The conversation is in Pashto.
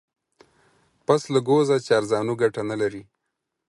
پسله گوزه چارزانو گټه نه لري.